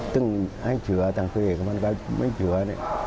ต้องให้เฉือต่างส่วนเด็กมันก็ไม่เฉือ